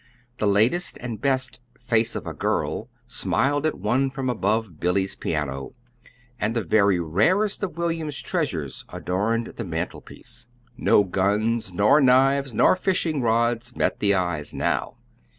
The latest and best "Face of a Girl" smiled at one from above Billy's piano, and the very rarest of William's treasures adorned the mantelpiece. No guns nor knives nor fishing rods met the eyes now.